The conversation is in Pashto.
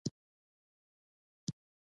احساساتي شعارونه پر ګړنګونو ورځي.